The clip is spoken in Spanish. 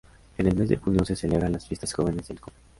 En el mes de junio se celebran las Fiestas Jóvenes del Coll.